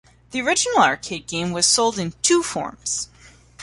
The original arcade game was sold in two forms.